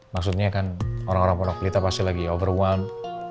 maksudnya kan orang orang pun aku lita pasti lagi overwhelmed